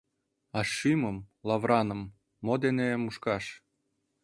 А шӱмым, лавыраным, мо дене мушкаш?